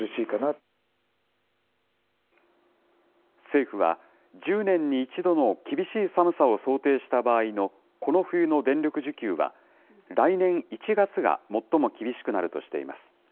政府は、１０年に１度の厳しい寒さを想定した場合のこの冬の電力需給は、来年１月が最も厳しくなるとしています。